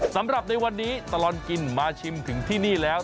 สำหรับในวันนี้ตลอดกินมาชิมถึงที่นี่แล้ว